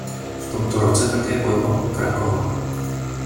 V tomto roce také bojoval u Krakova.